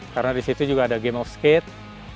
karena di situ juga ada game of skate